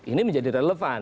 ini menjadi relevan